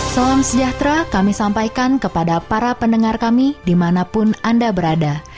salam sejahtera kami sampaikan kepada para pendengar kami dimanapun anda berada